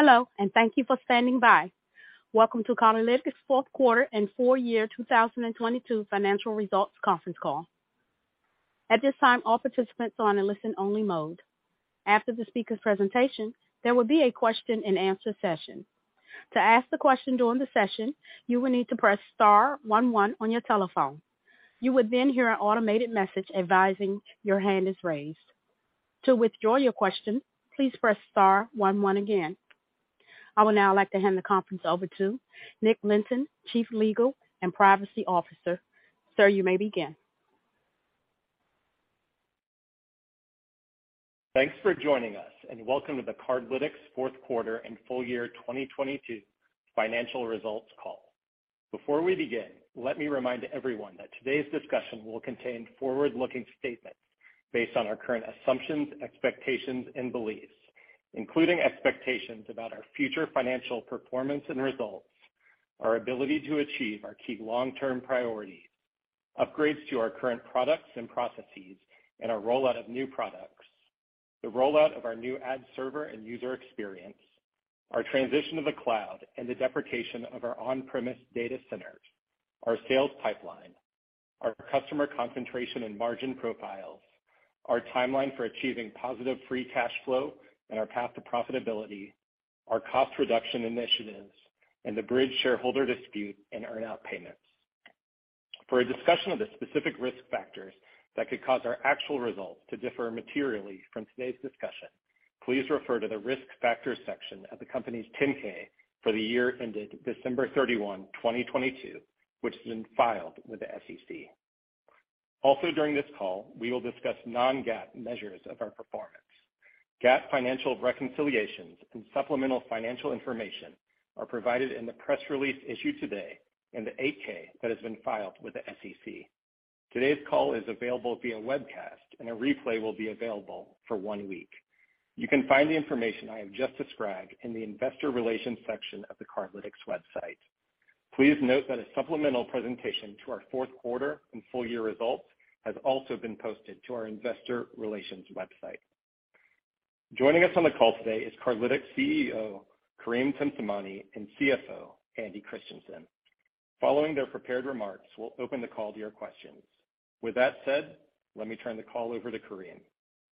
Hello, and thank you for standing by. Welcome to Cardlytics fourth quarter and four year 2022 financial results conference call. At this time, all participants are on a listen only mode. After the speaker's presentation, there will be a question and answer session. To ask the question during the session, you will need to press star one one on your telephone. You would then hear an automated message advising your hand is raised. To withdraw your question, please press star one one again. I would now like to hand the conference over to Nick Lynton, Chief Legal and Privacy Officer. Sir, you may begin. Thanks for joining us, and welcome to the Cardlytics fourth quarter and full year 2022 financial results call. Before we begin, let me remind everyone that today's discussion will contain forward-looking statements based on our current assumptions, expectations and beliefs, including expectations about our future financial performance and results, our ability to achieve our key long term priorities, upgrades to our current products and processes, and our rollout of new products, the rollout of our new ad server and user experience, our transition to the cloud and the deprecation of our on-premise data centers, our sales pipeline, our customer concentration and margin profiles, our timeline for achieving positive free cash flow and our path to profitability, our cost reduction initiatives, and the Bridg shareholder dispute and earn-out payments. For a discussion of the specific risk factors that could cause our actual results to differ materially from today's discussion, please refer to the Risk Factors section of the company's Form 10-K for the year ended December 31, 2022, which has been filed with the SEC. During this call, we will discuss non-GAAP measures of our performance. GAAP financial reconciliations and supplemental financial information are provided in the press release issued today and the Form 8-K that has been filed with the SEC. Today's call is available via webcast, and a replay will be available for one week. You can find the information I have just described in the investor relations section of the Cardlytics website. Please note that a supplemental presentation to our fourth quarter and full year results has also been posted to our investor relations website. Joining us on the call today is Cardlytics CEO, Karim Temsamani, and CFO, Andy Christiansen. Following their prepared remarks, we'll open the call to your questions. With that said, let me turn the call over to Karim.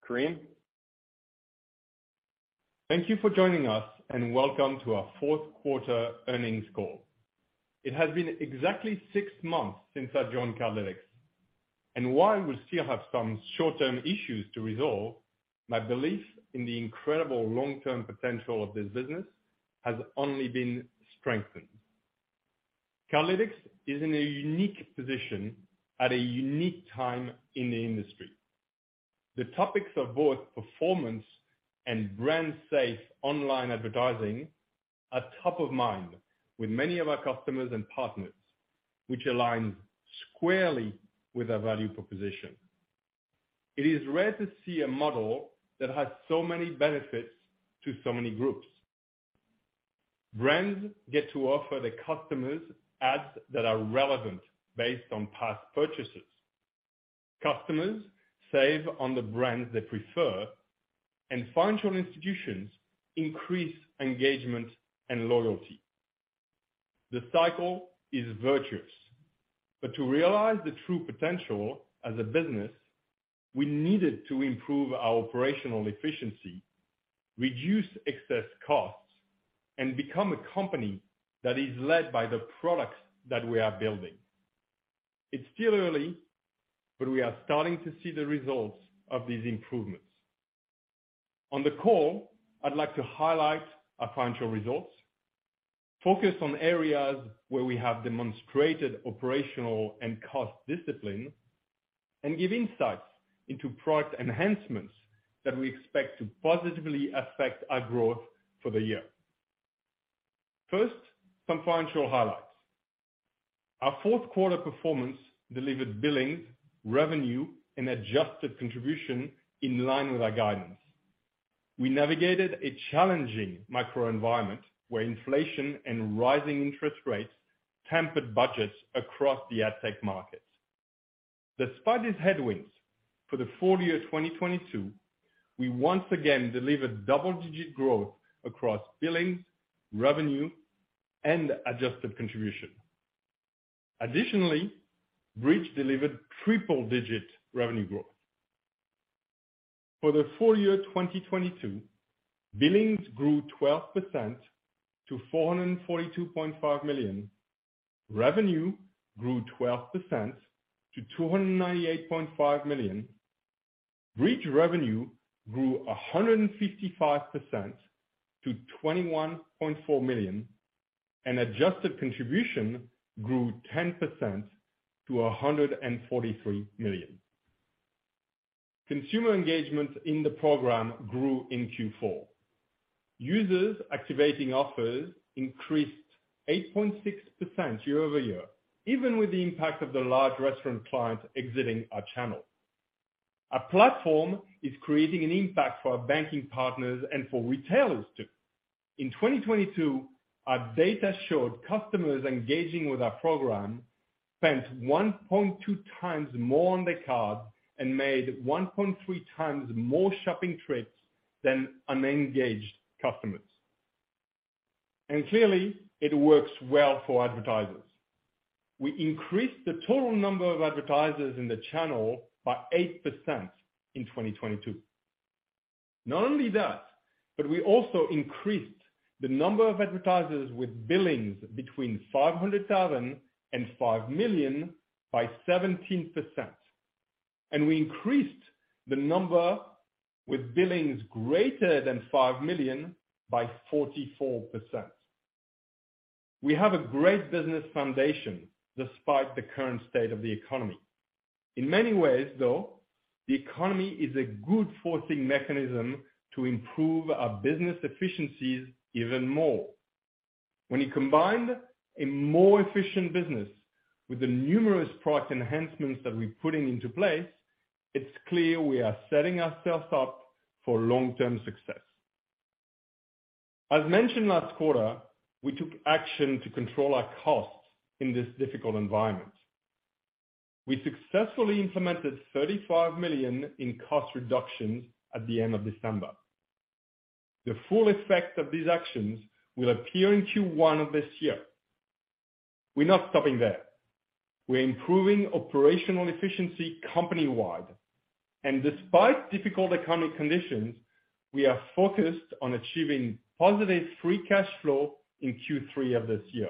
Karim? Thank you for joining us, and welcome to our fourth quarter earnings call. It has been exactly six months since I joined Cardlytics, and while we still have some short-term issues to resolve, my belief in the incredible long-term potential of this business has only been strengthened. Cardlytics is in a unique position at a unique time in the industry. The topics of both performance and brand safe online advertising are top of mind with many of our customers and partners, which aligns squarely with our value proposition. It is rare to see a model that has so many benefits to so many groups. Brands get to offer their customers ads that are relevant based on past purchases. Customers save on the brands they prefer, and financial institutions increase engagement and loyalty. The cycle is virtuous, to realize the true potential as a business, we needed to improve our operational efficiency, reduce excess costs, and become a company that is led by the products that we are building. It's still early, we are starting to see the results of these improvements. On the call, I'd like to highlight our financial results, focus on areas where we have demonstrated operational and cost discipline, and give insights into product enhancements that we expect to positively affect our growth for the year. First, some financial highlights. Our fourth quarter performance delivered billings, revenue and adjusted contribution in line with our guidance. We navigated a challenging macro environment where inflation and rising interest rates tempered budgets across the ad tech market. Despite these headwinds, for the full year 2022, we once again delivered double-digit growth across billings, revenue and adjusted contribution. Additionally, Bridg delivered triple-digit revenue growth. For the full year 2022, billings grew 12% to $442.5 million. Revenue grew 12% to $298.5 million. Bridg revenue grew 155% to $21.4 million, and adjusted contribution grew 10% to $143 million. Consumer engagement in the program grew in Q4. Users activating offers increased 8.6% year-over-year, even with the impact of the large restaurant client exiting our channel. Our platform is creating an impact for our banking partners and for retailers too. In 2022, our data showed customers engaging with our program spent 1.2x more on their card and made 1.3x more shopping trips than unengaged customers. Clearly, it works well for advertisers. We increased the total number of advertisers in the channel by 8% in 2022. Not only that, we also increased the number of advertisers with billings between $500,000 and $5 million by 17%, and we increased the number with billings greater than $5 million by 44%. We have a great business foundation despite the current state of the economy. In many ways, though, the economy is a good forcing mechanism to improve our business efficiencies even more. When you combine a more efficient business with the numerous product enhancements that we're putting into place, it's clear we are setting ourselves up for long-term success. As mentioned last quarter, we took action to control our costs in this difficult environment. We successfully implemented $35 million in cost reductions at the end of December. The full effect of these actions will appear in Q1 of this year. We're not stopping there. We're improving operational efficiency company-wide. Despite difficult economic conditions, we are focused on achieving positive free cash flow in Q3 of this year.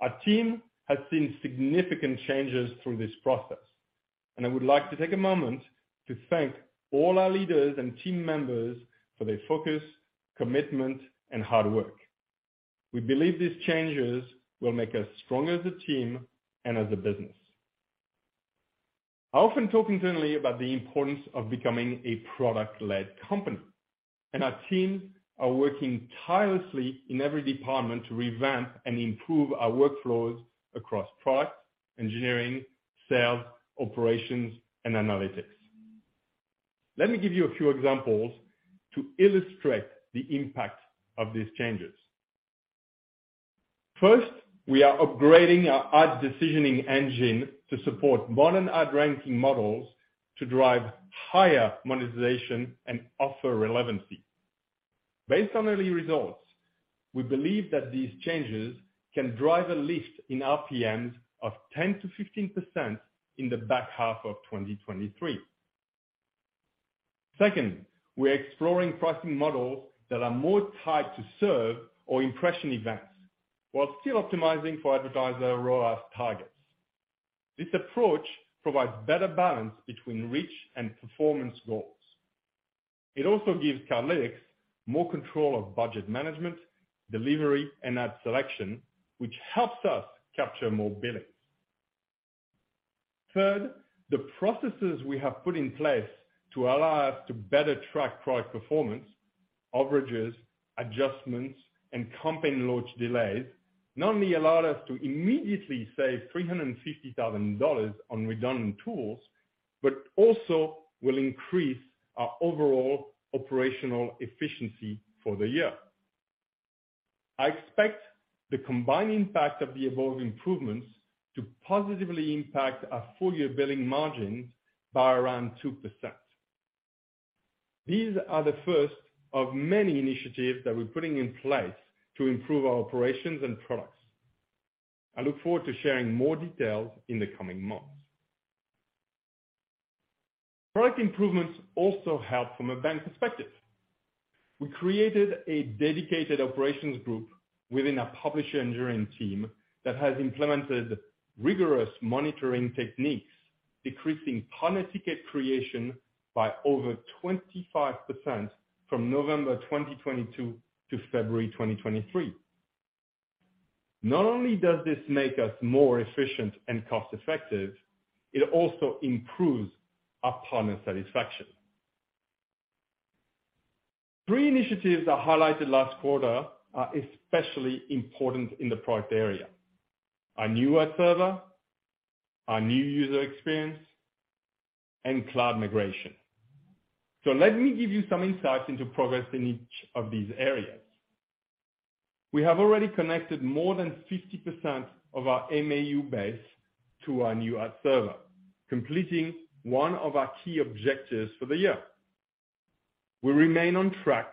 Our team has seen significant changes through this process. I would like to take a moment to thank all our leaders and team members for their focus, commitment, and hard work. We believe these changes will make us stronger as a team and as a business. I often talk internally about the importance of becoming a product-led company. Our team are working tirelessly in every department to revamp and improve our workflows across product, engineering, sales, operations, and analytics. Let me give you a few examples to illustrate the impact of these changes. First, we are upgrading our ad decisioning engine to support modern ad ranking models to drive higher monetization and offer relevancy. Based on early results, we believe that these changes can drive a lift in RPMs of 10%-15% in the back half of 2023. Second, we're exploring pricing models that are more tied to serve or impression events while still optimizing for advertiser ROAS targets. This approach provides better balance between reach and performance goals. It also gives Cardlytics more control of budget management, delivery, and ad selection, which helps us capture more billings. Third, the processes we have put in place to allow us to better track product performance, overages, adjustments, and campaign launch delays not only allowed us to immediately save $350,000 on redundant tools, but also will increase our overall operational efficiency for the year. I expect the combined impact of the above improvements to positively impact our full-year billing margins by around 2%. These are the first of many initiatives that we're putting in place to improve our operations and products. I look forward to sharing more details in the coming months. Product improvements also help from a bank perspective. We created a dedicated operations group within our publisher engineering team that has implemented rigorous monitoring techniques, decreasing partner ticket creation by over 25% from November 2022 to February 2023. Not only does this make us more efficient and cost-effective, it also improves our partner satisfaction. Three initiatives I highlighted last quarter are especially important in the product area: our new ad server, our new user experience, and cloud migration. Let me give you some insight into progress in each of these areas. We have already connected more than 50% of our MAU base to our new ad server, completing one of our key objectives for the year. We remain on track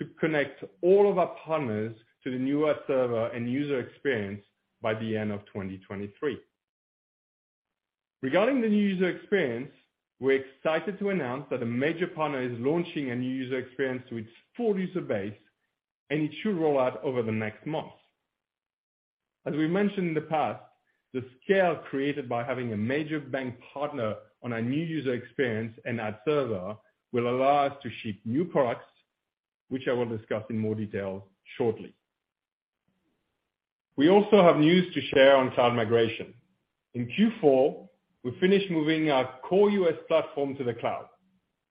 to connect all of our partners to the new ad server and user experience by the end of 2023. Regarding the new user experience, we're excited to announce that a major partner is launching a new user experience to its full user base, it should roll out over the next months. As we mentioned in the past, the scale created by having a major bank partner on our new user experience and ad server will allow us to ship new products, which I will discuss in more detail shortly. We also have news to share on cloud migration. In Q4, we finished moving our core U.S. platform to the cloud.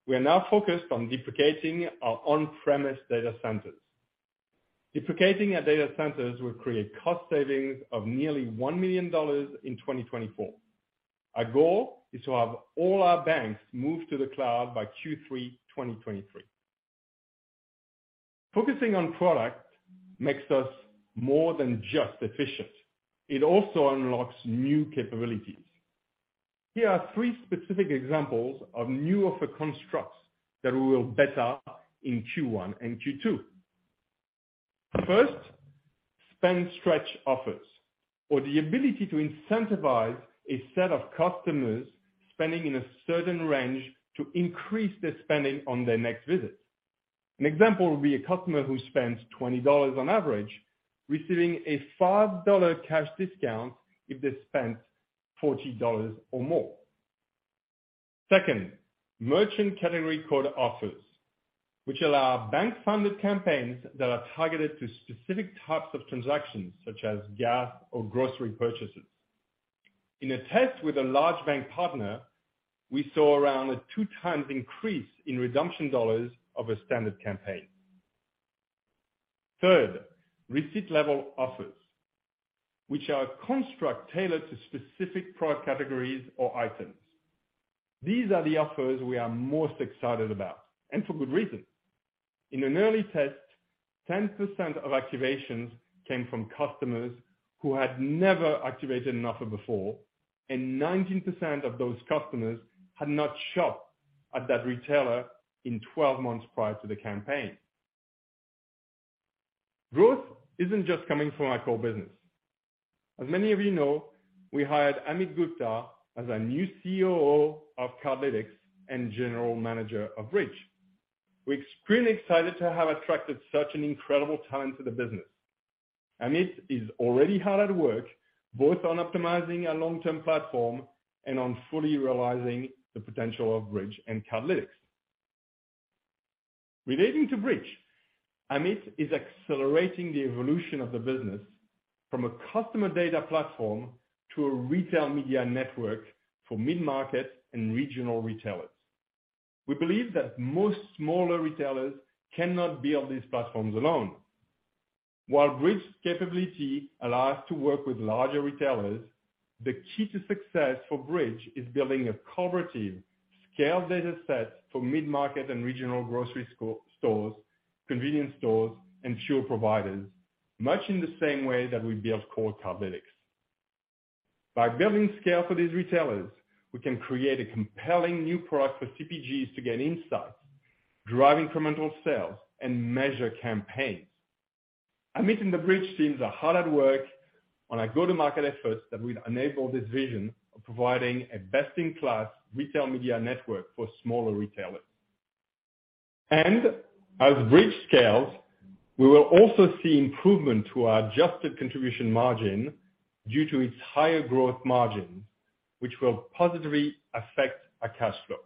We are now focused on deduplicating our on-premise data centers. Deduplicating our data centers will create cost savings of nearly $1 million in 2024. Our goal is to have all our banks moved to the cloud by Q3 2023. Focusing on product makes us more than just efficient, it also unlocks new capabilities. Here are three specific examples of new offer constructs that we will better in Q1 and Q2. First, spend stretch offers, or the ability to incentivize a set of customers spending in a certain range to increase their spending on their next visit. An example would be a customer who spends $20 on average receiving a $5 cash discount if they spent $40 or more. Second, merchant category code offers, which allow bank-funded campaigns that are targeted to specific types of transactions, such as gas or grocery purchases. In a test with a large bank partner, we saw around a 2x increase in redemption dollars of a standard campaign. Third, receipt level offers, which are construct tailored to specific product categories or items. These are the offers we are most excited about. For good reason. In an early test, 10% of activations came from customers who had never activated an offer before. 19% of those customers had not shopped at that retailer in 12 months prior to the campaign. Growth isn't just coming from our core business. As many of you know, we hired Amit Gupta as our new COO of Cardlytics and General Manager of Bridg. We're extremely excited to have attracted such an incredible talent to the business. Amit is already hard at work, both on optimizing our long-term platform and on fully realizing the potential of Bridg and Cardlytics. Relating to Bridg, Amit is accelerating the evolution of the business from a customer data platform to a retail media network for mid-market and regional retailers. We believe that most smaller retailers cannot build these platforms alone. While Bridg's capability allow us to work with larger retailers, the key to success for Bridg is building a collaborative, scaled data set for mid-market and regional grocery stores, convenience stores, and fuel providers, much in the same way that we build core Cardlytics. By building scale for these retailers, we can create a compelling new product for CPGs to gain insights, drive incremental sales, and measure campaigns. Amit and the Bridg teams are hard at work on our go-to-market efforts that will enable this vision of providing a best-in-class retail media network for smaller retailers. As Bridg scales, we will also see improvement to our adjusted contribution margin due to its higher growth margin, which will positively affect our cash flow.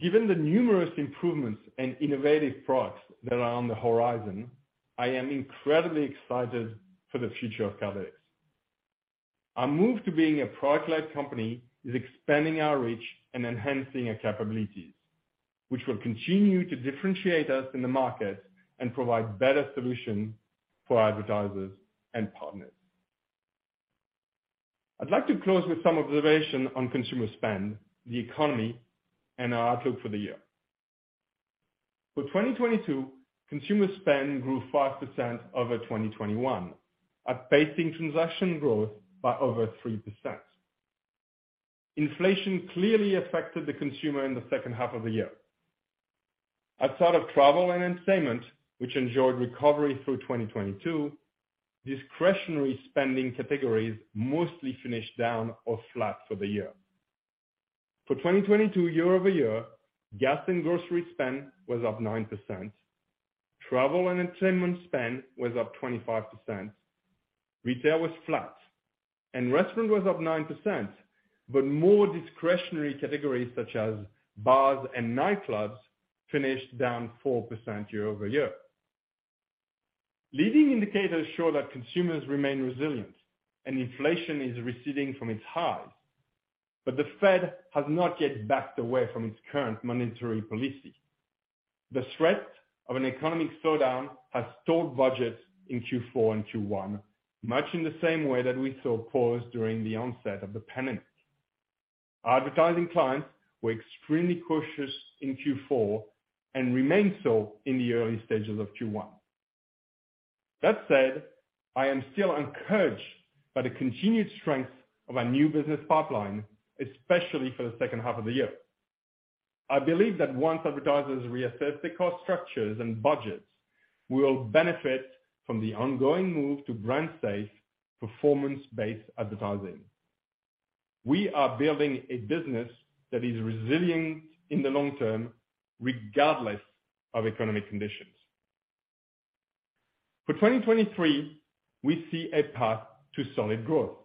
Given the numerous improvements and innovative products that are on the horizon, I am incredibly excited for the future of Cardlytics. Our move to being a product-led company is expanding our reach and enhancing our capabilities, which will continue to differentiate us in the market and provide better solution for advertisers and partners. I'd like to close with some observation on consumer spend, the economy, and our outlook for the year. For 2022, consumer spend grew 5% over 2021, outpacing transaction growth by over 3%. Inflation clearly affected the consumer in the second half of the year. Outside of travel and entertainment, which enjoyed recovery through 2022, discretionary spending categories mostly finished down or flat for the year. For 2022 year-over-year, gas and grocery spend was up 9%, travel and entertainment spend was up 25%, retail was flat, and restaurant was up 9%, but more discretionary categories such as bars and nightclubs finished down 4% year-over-year. Leading indicators show that consumers remain resilient and inflation is receding from its highs, but the Fed has not yet backed away from its current monetary policy. The threat of an economic slowdown has stalled budgets in Q4 and Q1, much in the same way that we saw pause during the onset of the pandemic. Advertising clients were extremely cautious in Q4 and remain so in the early stages of Q1. That said, I am still encouraged by the continued strength of our new business pipeline, especially for the second half of the year. I believe that once advertisers reassess their cost structures and budgets, we will benefit from the ongoing move to brand safe, performance-based advertising. We are building a business that is resilient in the long term, regardless of economic conditions. For 2023, we see a path to solid growth,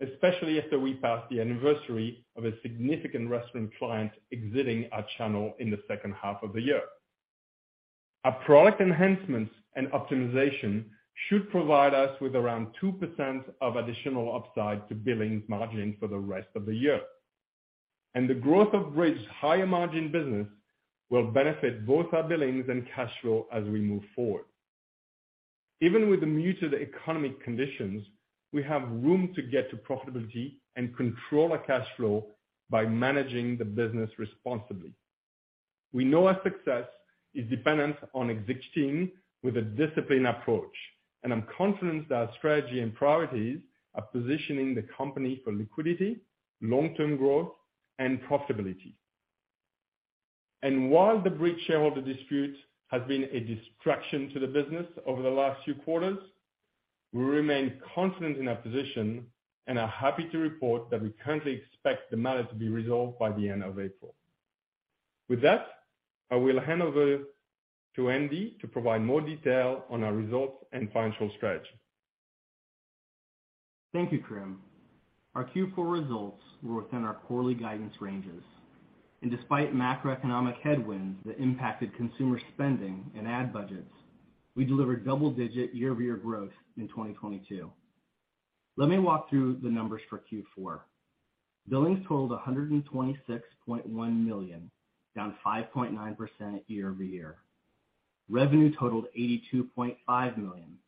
especially after we pass the anniversary of a significant restaurant client exiting our channel in the second half of the year. Our product enhancements and optimization should provide us with around 2% of additional upside to billings margin for the rest of the year. The growth of Bridg higher margin business will benefit both our billings and cash flow as we move forward. Even with the muted economic conditions, we have room to get to profitability and control our cash flow by managing the business responsibly. We know our success is dependent on existing with a disciplined approach, and I'm confident that our strategy and priorities are positioning the company for liquidity, long-term growth, and profitability. While the Bridg shareholder dispute has been a distraction to the business over the last few quarters, we remain confident in our position and are happy to report that we currently expect the matter to be resolved by the end of April. With that, I will hand over to Andy to provide more detail on our results and financial strategy. Thank you, Karim. Our Q4 results were within our quarterly guidance ranges. Despite macroeconomic headwinds that impacted consumer spending and ad budgets, we delivered double-digit year-over-year growth in 2022. Let me walk through the numbers for Q4. Billings totaled $126.1 million, down 5.9% year-over-year. Revenue totaled $82.5 million,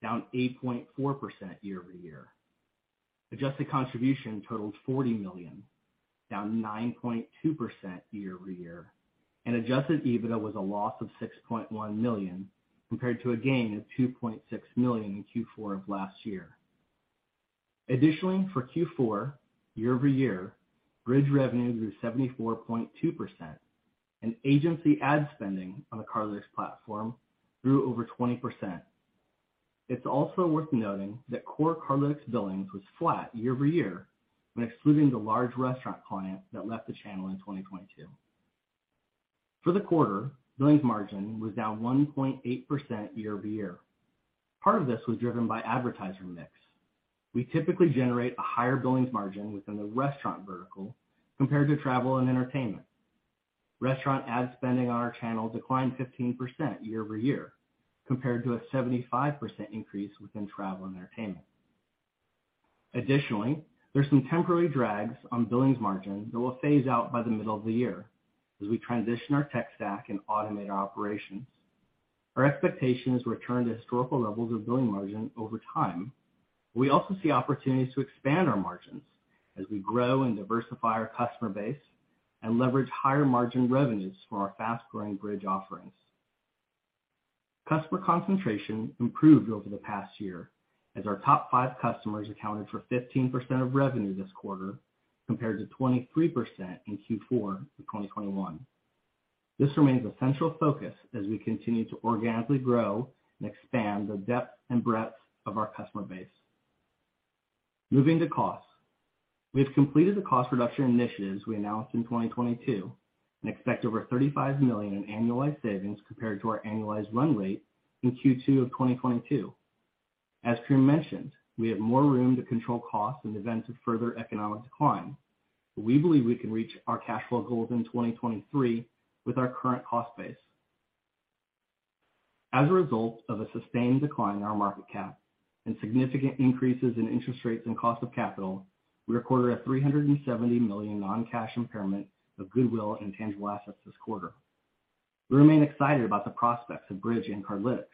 down 8.4% year-over-year. adjusted contribution totaled $40 million, down 9.2% year-over-year. Adjusted EBITDA was a loss of $6.1 million compared to a gain of $2.6 million in Q4 of last year. For Q4 year-over-year, Bridg revenue grew 74.2%, and agency ad spending on the Cardlytics platform grew over 20%. It's also worth noting that core Cardlytics billings was flat year-over-year when excluding the large restaurant client that left the channel in 2022. For the quarter, billing margins was down 1.8% year-over-year. Part of this was driven by advertiser mix. We typically generate a higher billing margins within the restaurant vertical compared to travel and entertainment. Restaurant ad spending on our channel declined 15% year-over-year, compared to a 75% increase within travel and entertainment. Additionally, there's some temporary drags on billing margins that will phase out by the middle of the year as we transition our tech stack and automate our operations. Our expectation is to return to historical levels of billing margin over time. We also see opportunities to expand our margins as we grow and diversify our customer base and leverage higher margin revenues from our fast-growing Bridg offerings. Customer concentration improved over the past year as our top five customers accounted for 15% of revenue this quarter, compared to 23% in Q4 of 2021. This remains a central focus as we continue to organically grow and expand the depth and breadth of our customer base. Moving to costs. We have completed the cost reduction initiatives we announced in 2022 and expect over $35 million in annualized savings compared to our annualized run rate in Q2 of 2022. As Karim mentioned, we have more room to control costs in the event of further economic decline. We believe we can reach our cash flow goals in 2023 with our current cost base. As a result of a sustained decline in our market cap and significant increases in interest rates and cost of capital, we recorded a $370 million non-cash impairment of goodwill and intangible assets this quarter. We remain excited about the prospects of Bridg and Cardlytics,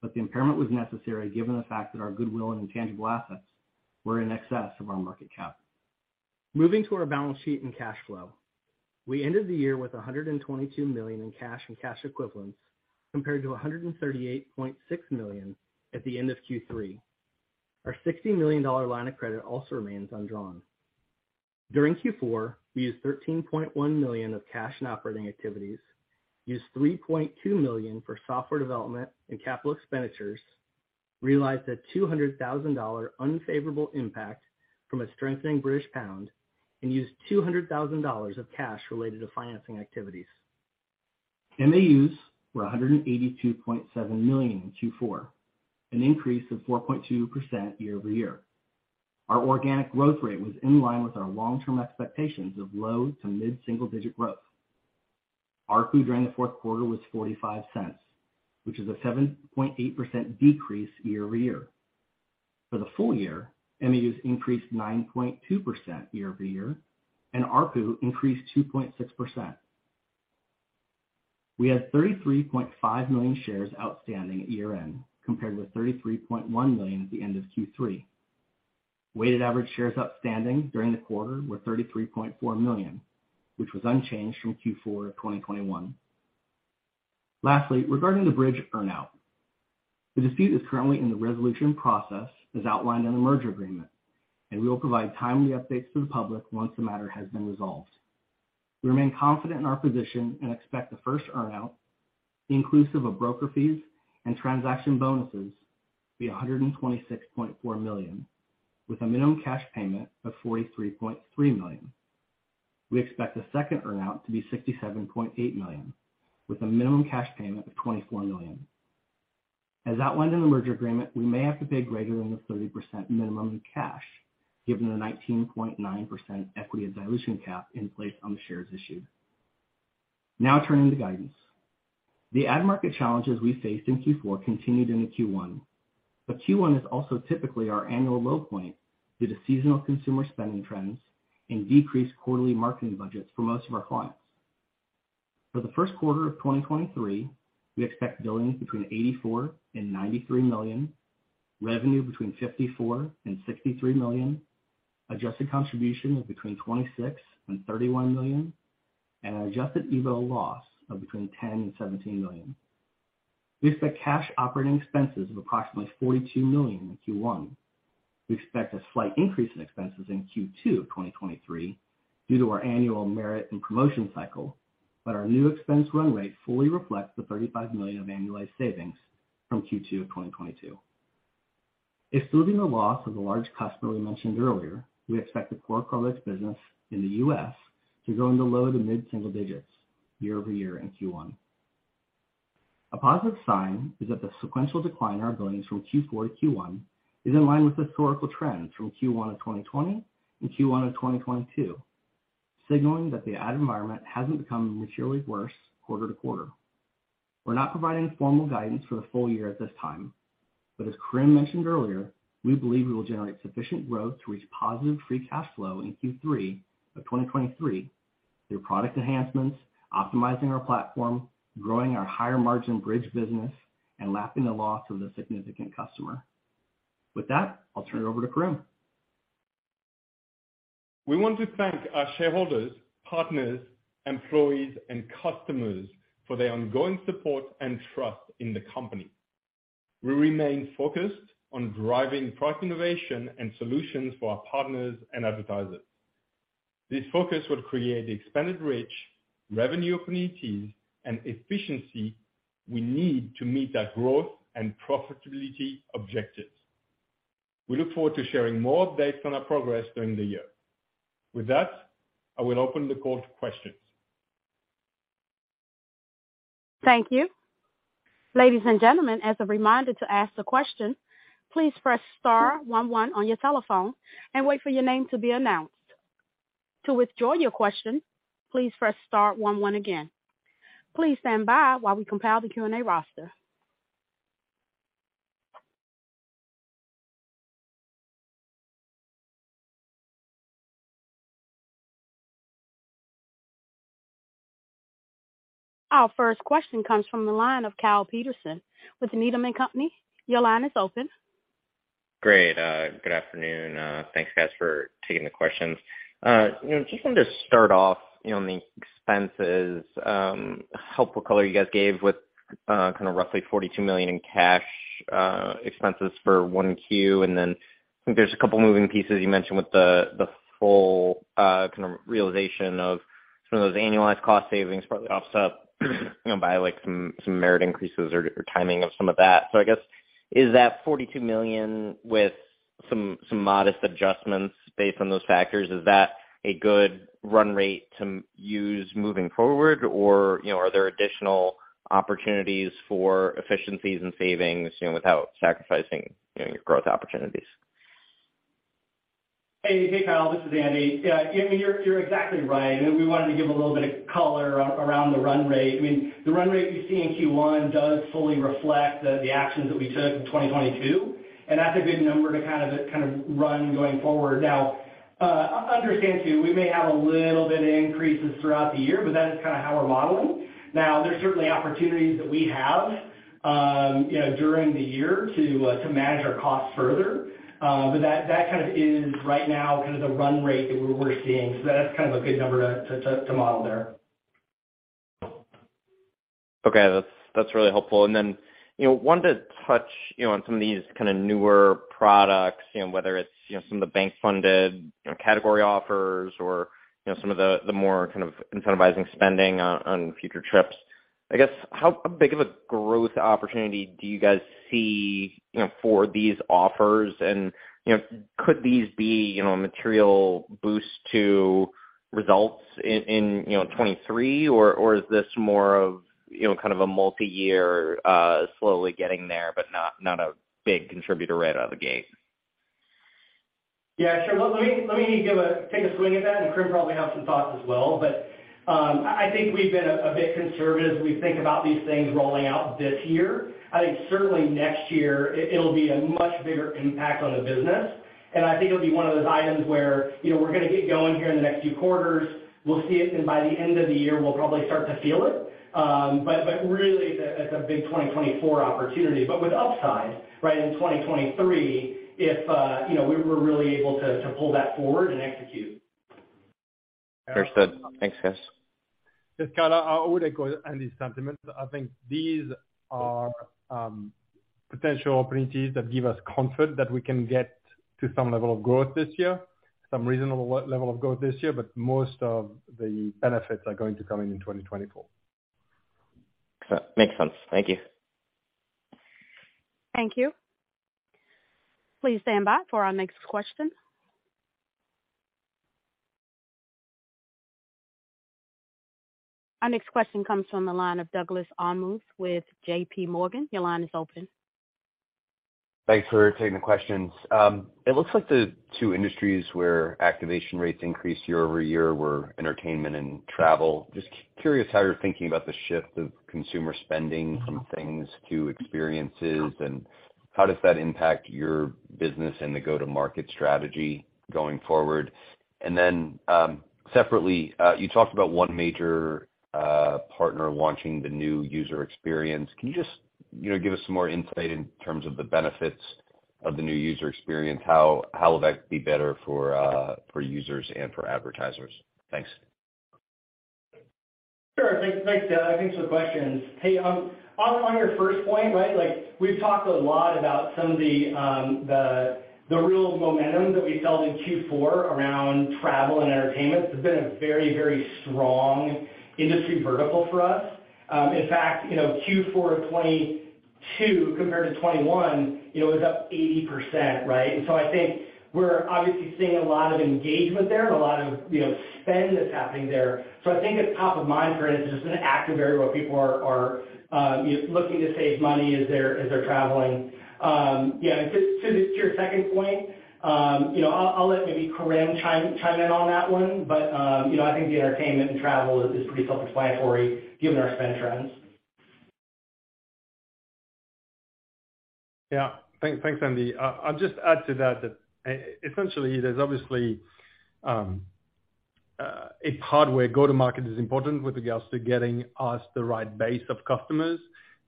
but the impairment was necessary given the fact that our goodwill and intangible assets were in excess of our market cap. Moving to our balance sheet and cash flow. We ended the year with $122 million in cash and cash equivalents, compared to $138.6 million at the end of Q3. Our $60 million line of credit also remains undrawn. During Q4, we used $13.1 million of cash and operating activities, used $3.2 million for software development and capital expenditures, realized a $200,000 unfavorable impact from a strengthening British pound, and used $200,000 of cash related to financing activities. MAUs were 182.7 million in Q4, an increase of 4.2% year-over-year. Our organic growth rate was in line with our long-term expectations of low to mid-single digit growth. ARPU during the fourth quarter was $0.45, which is a 7.8% decrease year-over-year. For the full year, MAUs increased 9.2% year-over-year, and ARPU increased 2.6%. We had 33.5 million shares outstanding at year-end, compared with 33.1 million at the end of Q3. Weighted average shares outstanding during the quarter were 33.4 million, which was unchanged from Q4 of 2021. Lastly, regarding the Bridg earn-out. The dispute is currently in the resolution process as outlined in the merger agreement. We will provide timely updates to the public once the matter has been resolved. We remain confident in our position and expect the first earn-out, inclusive of broker fees and transaction bonuses, to be $126.4 million, with a minimum cash payment of $43.3 million. We expect the second earn-out to be $67.8 million, with a minimum cash payment of $24 million. As outlined in the merger agreement, we may have to pay greater than the 30% minimum in cash, given the 19.9% equity dilution cap in place on the shares issued. Turning to guidance. The ad market challenges we faced in Q4 continued into Q1, but Q1 is also typically our annual low point due to seasonal consumer spending trends and decreased quarterly marketing budgets for most of our clients. For the first quarter of 2023, we expect billings between $84 million and $93 million, revenue between $54 million and $63 million, adjusted contribution of between $26 million and $31 million, and an adjusted EBITDA loss of between $10 million and $17 million. We expect cash operating expenses of approximately $42 million in Q1. We expect a slight increase in expenses in Q2 of 2023 due to our annual merit and promotion cycle, but our new expense run rate fully reflects the $35 million of annualized savings from Q2 of 2022. Excluding the loss of a large customer we mentioned earlier, we expect the core products business in the U.S. to grow in the low to mid-single digits year-over-year in Q1. A positive sign is that the sequential decline in our billings from Q4 to Q1 is in line with historical trends from Q1 of 2020 and Q1 of 2022, signaling that the ad environment hasn't become materially worse quarter-to-quarter. We're not providing formal guidance for the full year at this time, as Karim mentioned earlier, we believe we will generate sufficient growth to reach positive free cash flow in Q3 of 2023 through product enhancements, optimizing our platform, growing our higher margin Bridg business, and lapping the loss of the significant customer. With that, I'll turn it over to Karim. We want to thank our shareholders, partners, employees, and customers for their ongoing support and trust in the company. We remain focused on driving product innovation and solutions for our partners and advertisers. This focus will create the expanded reach, revenue opportunities, and efficiency we need to meet our growth and profitability objectives. We look forward to sharing more updates on our progress during the year. With that, I will open the call to questions. Thank you. Ladies and gentlemen, as a reminder to ask the question, please press star one one on your telephone and wait for your name to be announced. To withdraw your question, please press star one one again. Please stand by while we compile the Q&A roster. Our first question comes from the line of Kyle Peterson with Needham & Company. Your line is open. Great. Good afternoon. Thanks guys for taking the questions. You know, just wanted to start off, you know, on the expenses, helpful color you guys gave with roughly $42 million in cash expenses for 1Q. I think there's a couple moving pieces you mentioned with the full realization of some of those annualized cost savings probably offset, you know, by like some merit increases or timing of some of that. I guess is that $42 million with some modest adjustments based on those factors, is that a good run rate to use moving forward? You know, are there additional opportunities for efficiencies and savings, you know, without sacrificing, you know, your growth opportunities? Hey. Hey, Kyle, this is Andy. Yeah, I mean, you're exactly right. I mean, we wanted to give a little bit of color around the run rate. I mean, the run rate you see in Q1 does fully reflect the actions that we took in 2022, and that's a good number to kind of run going forward. Understand too, we may have a little bit of increases throughout the year, but that is kinda how we're modeling. There's certainly opportunities that we have, you know, during the year to manage our costs further. That kind of is right now kind of the run rate that we're seeing. That's kind of a good number to model there. Okay. That's, that's really helpful. Then, you know, wanted to touch, you know, on some of these kind of newer products, you know, whether it's, you know, some of the bank funded, you know, category offers or, you know, some of the more kind of incentivizing spending on future trips. I guess how big of a growth opportunity do you guys see, you know, for these offers? You know, could these be, you know, a material boost to results in, you know, 2023? Or is this more of, you know, kind of a multi-year, slowly getting there, but not a big contributor right out of the gate? Yeah, sure. Let me take a swing at that, Karim probably have some thoughts as well, but I think we've been a bit conservative as we think about these things rolling out this year. I think certainly next year it'll be a much bigger impact on the business. I think it'll be one of those items where, you know, we're gonna get going here in the next few quarters, we'll see it, and by the end of the year we'll probably start to feel it. But really it's a big 2024 opportunity, but with upside, right? In 2023, if, you know, we're really able to pull that forward and execute. Understood. Thanks, guys. Yes, Kyle, I would echo Andy's sentiments. I think these are potential opportunities that give us comfort that we can get to some level of growth this year, some reasonable level of growth this year, but most of the benefits are going to come in 2024. Okay. Makes sense. Thank you. Thank you. Please stand by for our next question. Our next question comes from the line of Douglas Anmuth with JPMorgan. Your line is open. Thanks for taking the questions. It looks like the two industries where activation rates increased year-over-year were entertainment and travel. Just curious how you're thinking about the shift of consumer spending from things to experiences, and how does that impact your business and the go-to-market strategy going forward? Separately, you talked about one major partner launching the new user experience. You know, give us some more insight in terms of the benefits of the new user experience. How will that be better for users and for advertisers? Thanks. Sure. Thanks for the questions. Hey, on your first point, right? Like we've talked a lot about some of the real momentum that we felt in Q4 around travel and entertainment. It's been a very, very strong industry vertical for us. In fact, you know, Q4 of 2022 compared to 2021, you know, it was up 80%, right? I think we're obviously seeing a lot of engagement there and a lot of, you know, spend that's happening there. I think it's top of mind for an instance, an active area where people are, you know, looking to save money as they're, as they're traveling. Yeah, to your second point, you know, I'll let maybe Karim chime in on that one. You know, I think the entertainment and travel is pretty self-explanatory given our spend trends. Yeah. Thanks, Andy. I'll just add to that essentially there's obviously a part where go-to-market is important with regards to getting us the right base of customers.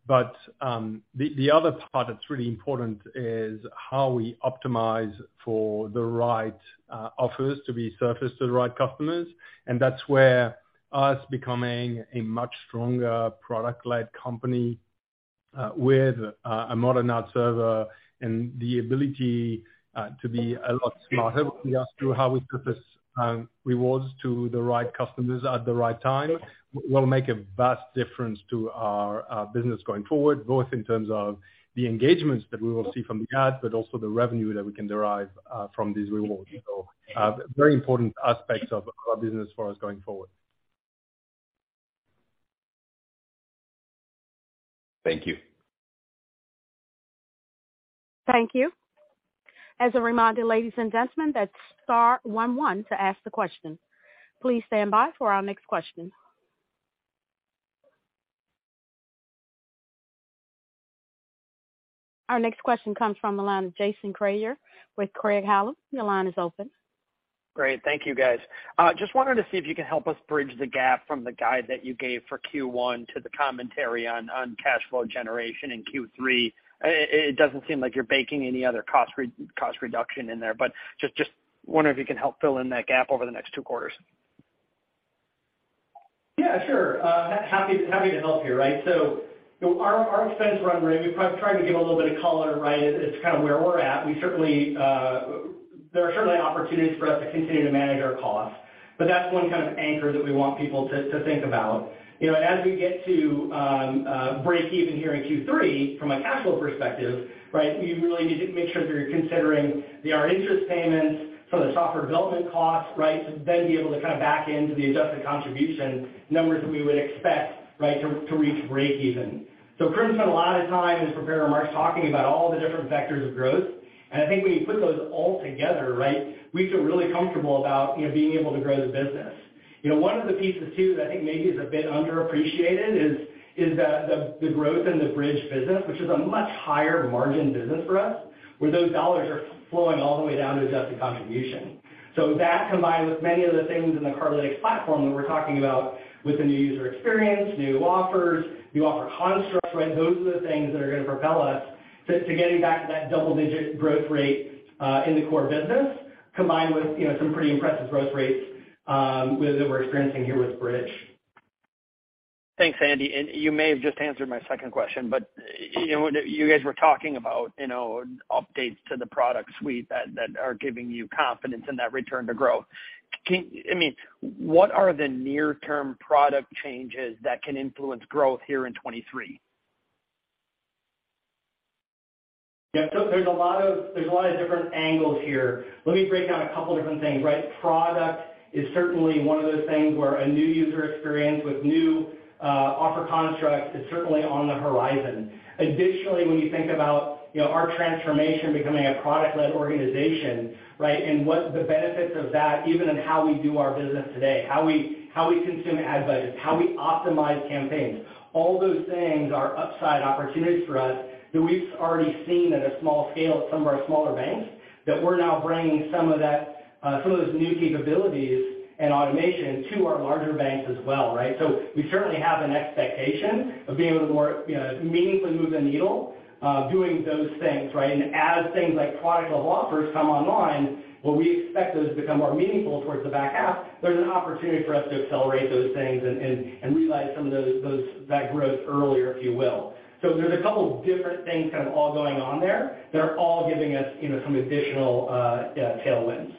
The other part that's really important is how we optimize for the right offers to be surfaced to the right customers. That's where us becoming a much stronger product-led company with a modern ad server and the ability to be a lot smarter with regards to how we surface rewards to the right customers at the right time will make a vast difference to our business going forward, both in terms of the engagements that we will see from the ads, but also the revenue that we can derive from these rewards. Very important aspects of our business for us going forward. Thank you. Thank you. As a reminder, ladies and gentlemen, that's star one one to ask the question. Please stand by for our next question. Our next question comes from the line of Jason Kreyer with Craig-Hallum. Your line is open. Great. Thank you, guys. Just wanted to see if you could help us bridge the gap from the guide that you gave for Q1 to the commentary on cash flow generation in Q3. It doesn't seem like you're baking any other cost reduction in there, but just wondering if you can help fill in that gap over the next two quarters. Yeah, sure. happy to help here, right? Our expense run rate, we've probably tried to give a little bit of color, right, as to kind of where we're at. We certainly, there are certainly opportunities for us to continue to manage our costs, but that's one kind of anchor that we want people to think about. You know, as we get to breakeven here in Q3 from a cash flow perspective, right, you really need to make sure that you're considering our interest payments for the software development costs, right? To then be able to kind of back into the adjusted contribution numbers that we would expect, right, to reach breakeven. Karim spent a lot of time in his prepared remarks talking about all the different vectors of growth. I think when you put those all together, right, we feel really comfortable about, you know, being able to grow the business. You know, one of the pieces too that I think maybe is a bit underappreciated is that the growth in the Bridg business, which is a much higher margin business for us, where those dollars are flowing all the way down to adjusted contribution. That combined with many of the things in the Cardlytics platform that we're talking about with the new user experience, new offers, new offer constructs, right? Those are the things that are gonna propel us to getting back to that double-digit growth rate in the core business combined with, you know, some pretty impressive growth rates that we're experiencing here with Bridg. Thanks, Andy. You may have just answered my second question, you know, you guys were talking about, you know, updates to the product suite that are giving you confidence in that return to growth. I mean, what are the near-term product changes that can influence growth here in 2023? Yeah. There's a lot of different angles here. Let me break out a couple different things, right? Product is certainly one of those things where a new user experience with new offer constructs is certainly on the horizon. Additionally, when you think about, you know, our transformation becoming a product-led organization, right? What the benefits of that, even in how we do our business today, how we consume ad budgets, how we optimize campaigns. All those things are upside opportunities for us that we've already seen at a small scale at some of our smaller banks that we're now bringing some of that, some of those new capabilities and automation to our larger banks as well, right? We certainly have an expectation of being able to more, you know, meaningfully move the needle doing those things, right? As things like product-led offers come online, where we expect those to become more meaningful towards the back half, there's an opportunity for us to accelerate those things and realize some of those that growth earlier, if you will. There's a couple different things kind of all going on there that are all giving us, you know, some additional tailwinds.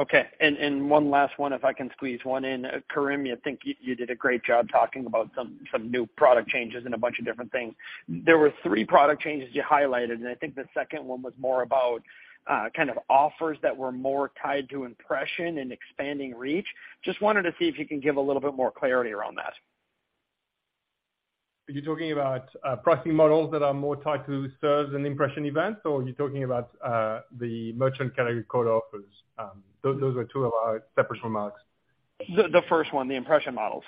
Okay. One last one, if I can squeeze one in. Karim, I think you did a great job talking about some new product changes and a bunch of different things. There were three product changes you highlighted, and I think the second one was more about kind of offers that were more tied to impression and expanding reach. Just wanted to see if you can give a little bit more clarity around that. Are you talking about pricing models that are more tied to serves and impression events, or are you talking about the merchant category code offers? Those were two of our separate remarks. The first one, the impression models.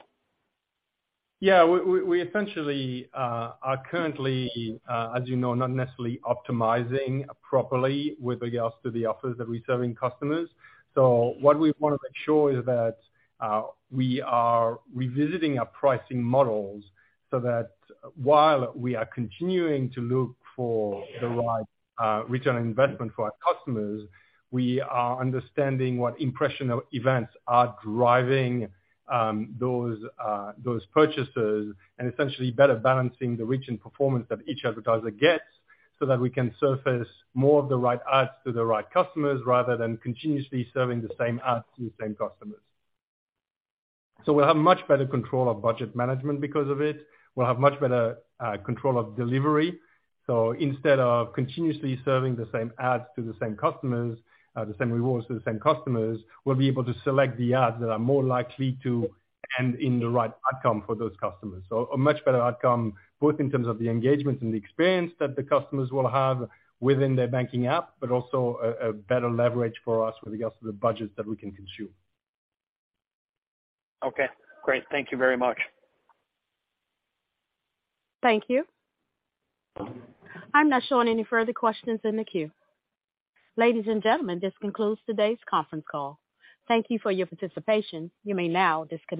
Yeah. We essentially are currently, as you know, not necessarily optimizing properly with regards to the offers that we serve in customers. What we wanna make sure is that, we are revisiting our pricing models so that while we are continuing to look for the right return on investment for our customers, we are understanding what impression events are driving those purchases and essentially better balancing the reach and performance that each advertiser gets so that we can surface more of the right ads to the right customers rather than continuously serving the same ads to the same customers. We'll have much better control of budget management because of it. We'll have much better control of delivery. Instead of continuously serving the same ads to the same customers, the same rewards to the same customers, we'll be able to select the ads that are more likely to end in the right outcome for those customers. A much better outcome, both in terms of the engagement and the experience that the customers will have within their banking app, but also a better leverage for us with regards to the budgets that we can consume. Okay, great. Thank you very much. Thank you. I'm not showing any further questions in the queue. Ladies and gentlemen, this concludes today's conference call. Thank you for your participation. You may now disconnect.